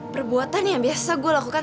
perbuatan yang biasa gue lakukan